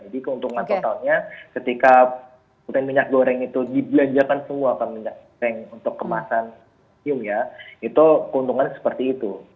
jadi keuntungan totalnya ketika minyak goreng itu dibelanjakan semua ke minyak goreng untuk kemasan itu keuntungan seperti itu